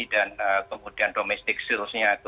dan kemudian domestik salesnya itu